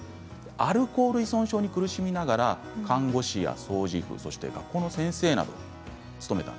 アルコール依存症に苦しみながら看護師や掃除婦学校の先生などを務めました。